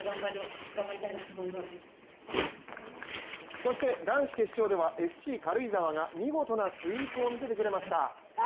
そして男子決勝ではＳＣ軽井沢が、見事なスイープを見せてくれました。